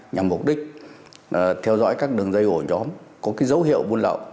nhằm mục đích theo dõi các đường dây ổ nhóm có dấu hiệu buôn lậu